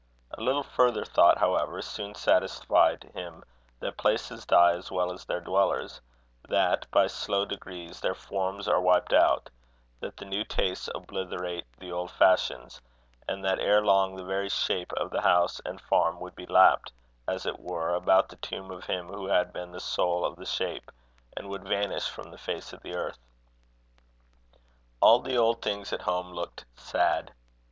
A little further thought, however, soon satisfied him that places die as well as their dwellers; that, by slow degrees, their forms are wiped out; that the new tastes obliterate the old fashions; and that ere long the very shape of the house and farm would be lapped, as it were, about the tomb of him who had been the soul of the shape, and would vanish from the face of the earth. All the old things at home looked sad.